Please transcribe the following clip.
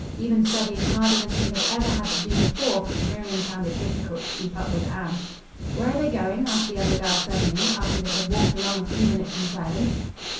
Even studying harder than she had ever had to do before, Miriam found it difficult to keep up with Anne. "Where are they going?" asked the other girl suddenly, after they had walked along a few minutes in silence.